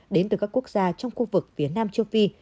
đến từ các quốc gia trong khu vực phía nam châu phi